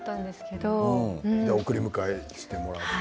送り迎えをしてもらって？